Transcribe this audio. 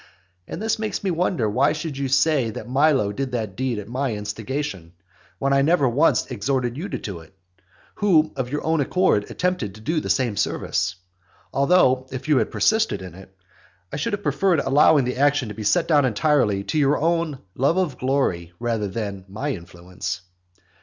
And this makes me wonder why you should say that Milo did that deed at my instigation; when I never once exhorted you to do it, who of your own accord attempted to do me the same service. Although, if you had persisted in it, I should have preferred allowing the action to be set down entirely to your own love of glory rather than to my influence.